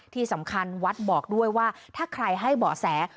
ที่สำคัญวัดบอกด้วยว่าถ้าใครให้เบาะแส